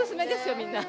みんな。